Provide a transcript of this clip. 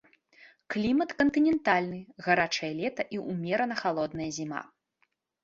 Клімат кантынентальны, гарачае лета і ўмерана халодная зіма.